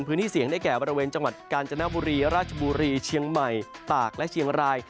พื้นที่เสี่ยงได้แก่บริเวณจังหวัดกาญจนบุรีราชบุรีเชียงใหม่ตากและเชียงราย